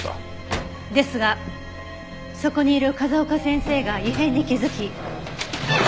ですがそこにいる風丘先生が異変に気づき。どけ！